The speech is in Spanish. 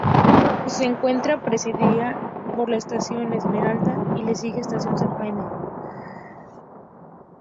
Se encuentra precedida por la Estación La Esmeralda y le sigue Estación San Jaime.